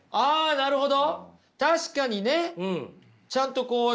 なるほど。